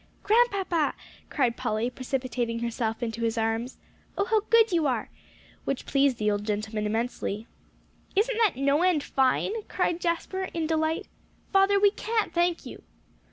"Grandpapa!" cried Polly, precipitating herself into his arms, "oh, how good you are!" which pleased the old gentleman immensely. "Isn't that no end fine!" cried Jasper in delight. "Father, we can't thank you!"